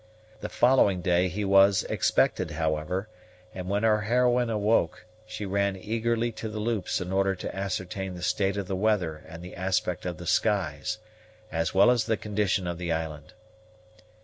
The following day he was expected, however, and when our heroine awoke, she ran eagerly to the loops in order to ascertain the state of the weather and the aspect of the skies, as well as the condition of the island.